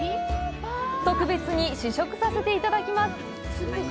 特別に試食させていただきました。